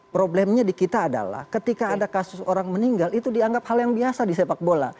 problemnya di kita adalah ketika ada kasus orang meninggal itu dianggap hal yang biasa di sepak bola